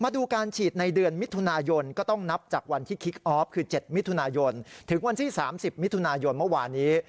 ถึงวันที่๓๐มิถุนายนเมื่อวานี้